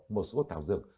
một số tạo dược